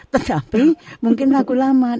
tetapi mungkin lagu lama